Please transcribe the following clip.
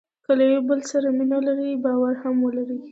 که له یو بل سره مینه لرئ باور هم ولرئ.